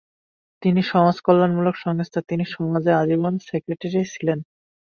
তিনি সমাজকল্যাণমূলক সংস্থা তিলি সমাজ-এর আজীবন সেক্রেটারি ছিলেন।